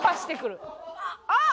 あっ！